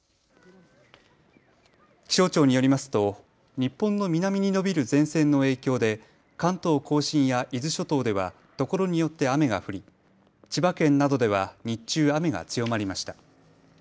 気象庁によりますと日本の南に延びる前線の影響で関東甲信や伊豆諸島では所によって雨が降り千葉県などでは日中、雨が強まりました。